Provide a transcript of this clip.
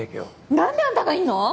何であんたがいんの？